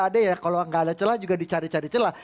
ada ya kalau nggak ada celah juga dicari cari celah